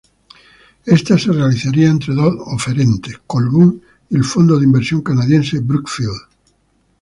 Esta se realizaría entre dos oferentes, Colbún y el fondo de inversión canadiense Brookfield.